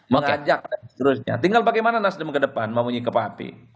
mengajak terusnya tinggal bagaimana nasdem ke depan memunyai kepahapi